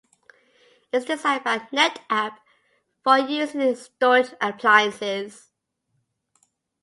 It was designed by NetApp for use in its storage appliances.